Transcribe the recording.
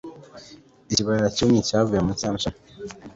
Ikibaya cyumye cyavuye munsi yamashami